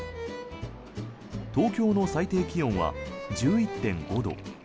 東京の最低気温は１１．５度。